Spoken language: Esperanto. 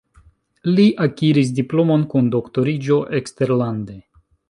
Li akiris diplomon kun doktoriĝo eksterlande.